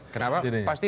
kenapa pasti itu